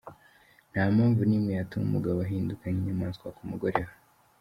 Nta mpamvu nimwe yatuma umugabo ahinduka nk’inyamaswa ku mugore we.